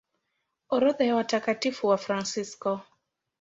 Orodha ya Watakatifu Wafransisko